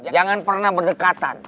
jangan pernah berdekatan